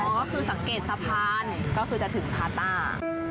ก็คือสังเกตสะพานก็คือจะถึงพาต้า